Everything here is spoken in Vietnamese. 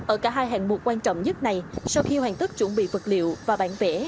ở cả hai hạng mục quan trọng nhất này sau khi hoàn tất chuẩn bị vật liệu và bản vẽ